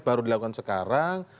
baru dilakukan sekarang